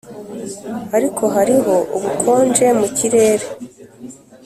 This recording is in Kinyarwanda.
ariko hariho ubukonje mu kirere